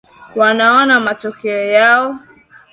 Wanaona matokeo yao.